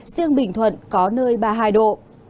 riêng bình thuận có nơi ba mươi hai độ